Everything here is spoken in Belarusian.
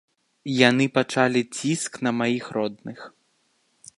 Яны пачалі ціск на маіх родных.